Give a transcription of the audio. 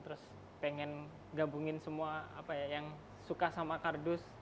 terus pengen gabungin semua apa ya yang suka sama kardus